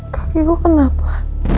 kaki gue kenapa